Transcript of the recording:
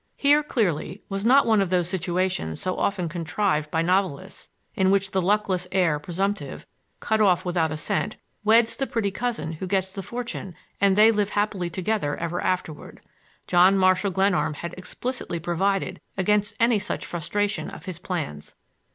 Here, clearly, was not one of those situations so often contrived by novelists, in which the luckless heir presumptive, cut off without a cent, weds the pretty cousin who gets the fortune and they live happily together ever afterward. John Marshall Glenarm had explicitly provided against any such frustration of his plans.